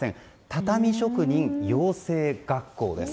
畳職人養成学校です。